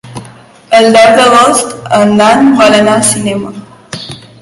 El deu d'agost en Dan vol anar al cinema.